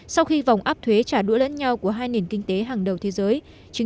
sau khi vòng áp thuế trả đũa lẫn nhau của hàng hóa